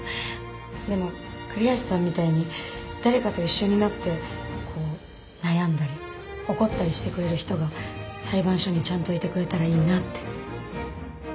でも栗橋さんみたいに誰かと一緒になってこう悩んだり怒ったりしてくれる人が裁判所にちゃんといてくれたらいいなって。